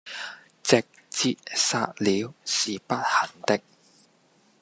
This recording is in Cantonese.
直捷殺了，是不肯的，